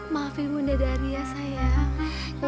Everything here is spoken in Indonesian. maafin bunda dari ya sayang